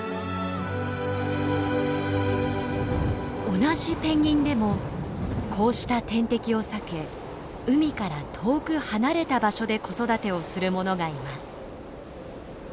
同じペンギンでもこうした天敵を避け海から遠く離れた場所で子育てをするものがいます。